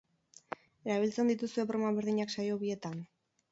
Erabiltzen dituzue broma berdinak saio bietan?